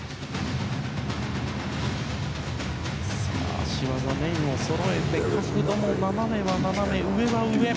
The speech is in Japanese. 足技、そろえて角度も斜めは斜め、上は上。